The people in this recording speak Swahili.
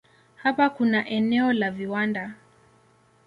Hapa kuna eneo la viwanda.